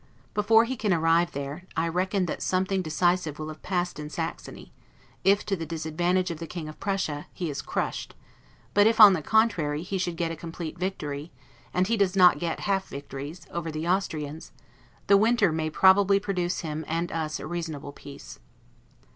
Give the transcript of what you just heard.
Before he can arrive there, I reckon that something decisive will have passed in Saxony; if to the disadvantage of the King of Prussia, he is crushed; but if, on the contrary, he should get a complete victory (and he does not get half victories) over the Austrians, the winter may probably produce him and us a reasonable peace.